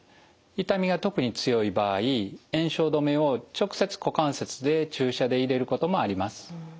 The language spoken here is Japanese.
痛みが特に強い場合炎症止めを直接股関節へ注射で入れることもあります。